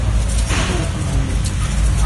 Iḥewwes Mhenni.